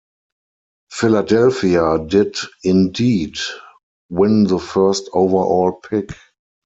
Philadelphia did indeed win the first overall pick.